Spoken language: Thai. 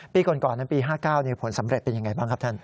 ปีก่อนนั้นปี๕๙ผลสำเร็จเป็นยังไงบ้างครับท่าน